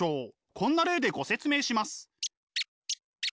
こんな例でご説明します。